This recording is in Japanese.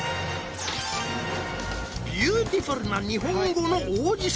ビューティフルな日本語の王子様